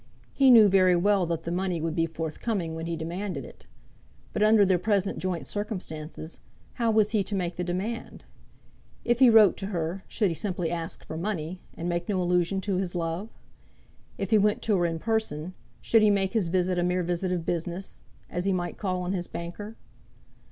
He knew very well that the money would be forthcoming when he demanded it, but under their present joint circumstances, how was he to make the demand? If he wrote to her, should he simply ask for money, and make no allusion to his love? If he went to her in person, should he make his visit a mere visit of business, as he might call on his banker?